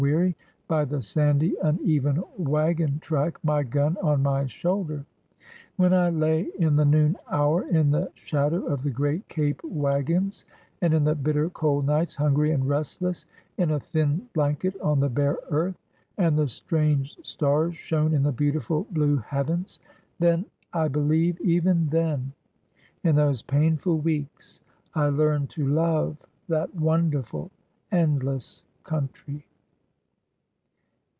weary by the sandy, uneven wagon track, my gun on my shoulder; 473 SOUTH AFRICA when I lay in the noon hour in the shadow of the great Cape wagons, and in the bitter cold nights, hungry and restless, in a thin blanket on the bare earth, and the strange stars shone in the beautiful blue heavens, — then, I believe, even then, in those painful weeks, I learned to love that wonderful, endless country.